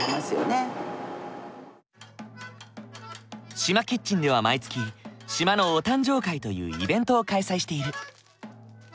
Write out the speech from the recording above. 島キッチンでは毎月島のお誕生会というイベントを開催している。